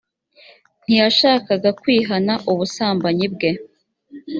ntiyashaka kwihana ubusambanyi bwe